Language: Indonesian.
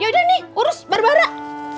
yaudah nih urus bar barak